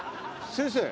先生